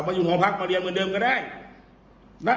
กลับมาอยู่ตรงนั้นน่ะ